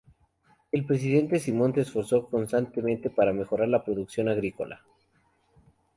El presidente Simon se esforzó constantemente para mejorar la producción agrícola.